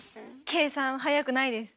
計算は速くないです。